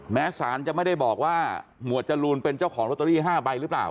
แม้สารจะไม่ได้บอกว่าหมวดจรูนเป็นเจ้าของลอตเตอรี่๕ใบหรือเปล่า